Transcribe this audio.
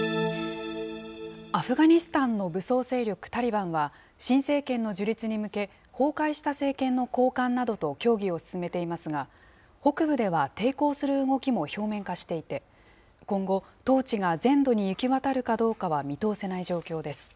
アフガニスタンの武装勢力、タリバンは新政権の樹立に向け、崩壊した政権の高官などと協議を進めていますが、北部では抵抗する動きも表面化していて、今後、統治が全土に行き渡るかどうかは見通せない状況です。